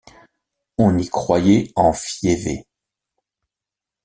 On y croyait en Fiévée.